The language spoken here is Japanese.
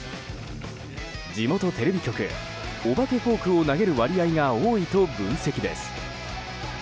地元テレビ局お化けフォークを投げる割合が多いと分析です。